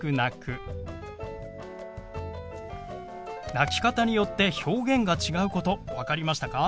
泣き方によって表現が違うこと分かりましたか？